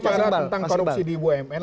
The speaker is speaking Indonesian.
bicara tentang korupsi di bumn